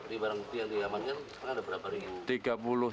ini barang putih yang diamannya sekarang ada berapa ringan